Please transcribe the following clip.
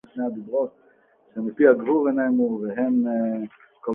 ואני אתרכז במיוחד בעיריית תל-אביב